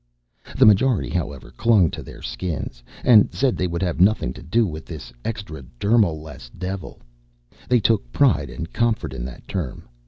The majority, however, clung to their Skins and said they would have nothing to do with this extradermal less devil. They took pride and comfort in that term.